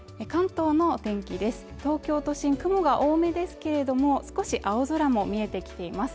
東京都心雲が多めですけれども少し青空も見えてきています